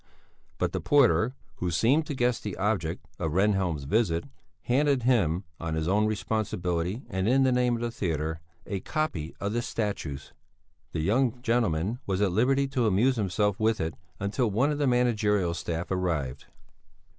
But the porter, who seemed to guess the object of Rehnhjelm's visit, handed him, on his own responsibility and in the name of the theatre, a copy of the statutes; the young gentleman was at liberty to amuse himself with it until one of the managerial staff arrived.